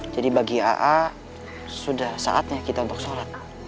jadi bagi a'a sudah saatnya kita untuk sholat